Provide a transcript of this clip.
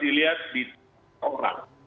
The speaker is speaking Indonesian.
dilihat di orang